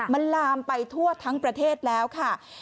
มันลามไปทั่วทั้งประเทศแล้วค่ะ